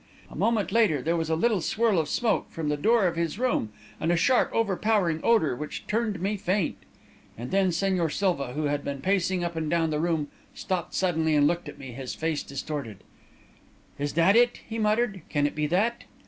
A moment later, there was a little swirl of smoke from the door of his room, and a sharp, over powering odour, which turned me faint. "And then Señor Silva, who had been pacing, up and down the room, stopped suddenly and looked at me, his face distorted. "'Is it that?' he muttered. 'Can it be that?'